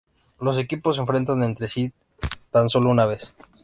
Los equipos se enfrentan entre sí tan solo una vez.